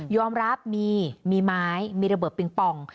อมรับมีมีไม้มีระเบิดปิงปอง